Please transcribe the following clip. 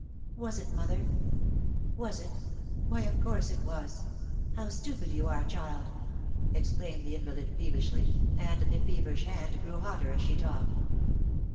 "Was it, mother?" " Was it ? Why, of course it was. How stupid yon are, child 1" exclaimed the invalid peevishly, and the feverish hand grew hotter as she talked.